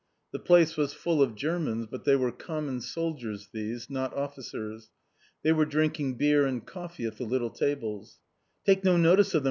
The place was full of Germans, but they were common soldiers these, not Officers. They were drinking beer and coffee at the little tables. "Take no notice of them!"